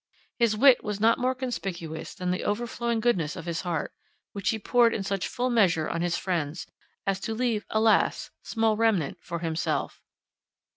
His wit was not more conspicuous than the overflowing goodness of his heart, which he poured in such full measure on his friends, as to leave, alas! small remnant for himself."